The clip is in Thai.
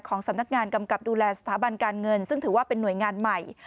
สำนักงานกำกับดูแลสถาบันการเงินซึ่งถือว่าเป็นหน่วยงานใหม่